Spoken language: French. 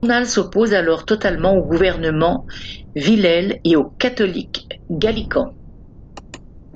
Le journal s'oppose alors totalement au gouvernement Villèle et aux catholiques gallicans.